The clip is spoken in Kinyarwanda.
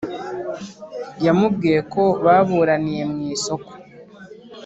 yamubwiye ko baburaniye mu isoko